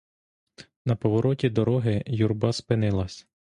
На повороті дороги юрба спинилась.